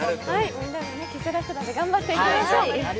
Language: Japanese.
みんなもケセラセラで頑張っていきましょう。